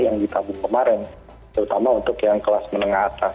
yang ditabung kemarin terutama untuk yang kelas menengah atas